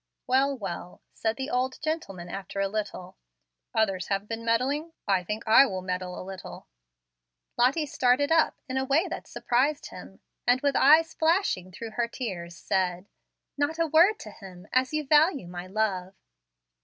"Well, well," said the old gentleman, after a little, "others have been meddling; I think I will meddle a little." Lottie started up in a way that surprised him, and with eyes flashing through her tears said, "Not a word to him, as you value my love."